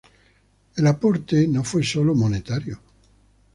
El aporte no fue sólo monetario.